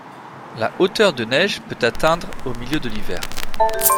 La hauteur de neige peut atteindre au milieu de l'hiver.